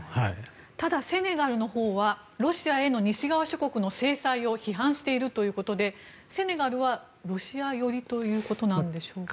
ただセネガルのほうはロシアへの西側諸国の制裁を批判しているということでセネガルはロシア寄りということでしょうか。